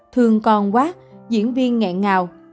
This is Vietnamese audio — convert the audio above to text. thương con quá diễn viên ngẹn ngào